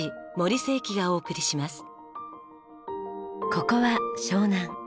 ここは湘南。